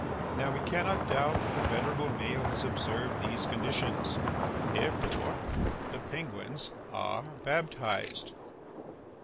Now we cannot doubt that the venerable Maël has observed these conditions. Therefore the penguins are baptized."